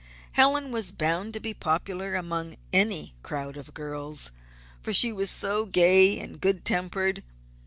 Helen was bound to be popular among any crowd of girls, for she was so gay and good tempered.